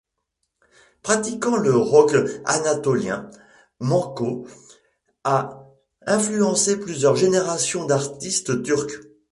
Pratiquant le rock anatolien, Manço a influencé plusieurs générations d'artistes turcs.